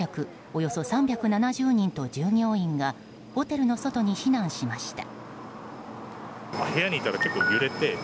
およそ３７０人と従業員がホテルの外に避難しました。